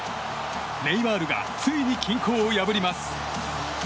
ネイマールがついに均衡を破ります。